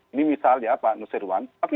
ini misalnya pak nusirwan